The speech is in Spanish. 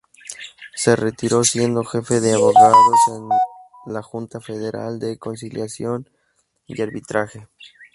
Se retiró siendo Jefe de Abogados en la Junta Federal de Conciliación y Arbitraje.